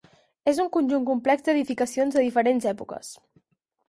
És un conjunt complex d'edificacions de diferents èpoques.